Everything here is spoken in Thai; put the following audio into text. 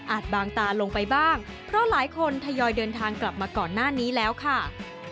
บางตาลงไปบ้างเพราะหลายคนทยอยเดินทางกลับมาก่อนหน้านี้แล้วค่ะ